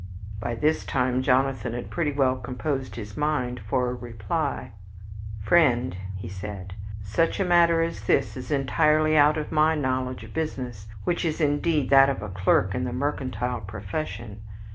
By this time Jonathan had pretty well composed his mind for a reply. "Friend," said he, "such a matter as this is entirely out of my knowledge of business, which is, indeed, that of a clerk in the mercantile profession.